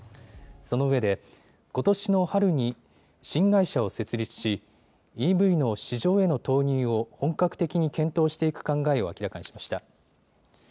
そのうえで、ことしの春に新会社を設立しＥＶの市場への投入を本格的に検討していく考えを明らかにしました。